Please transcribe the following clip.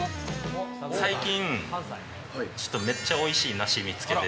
最近、ちょっとめっちゃおいしい梨見つけて。